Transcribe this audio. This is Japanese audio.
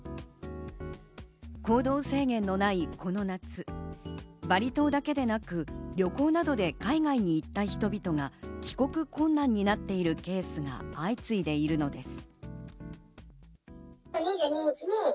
行動制限のないこの夏、バリ島だけでなく、旅行などで海外に行った人々が帰国困難になっているケースが相次いでいるのです。